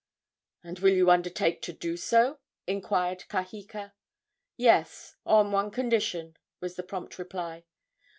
"And will you undertake to do so?" inquired Kaheka. "Yes, on one condition," was the prompt reply.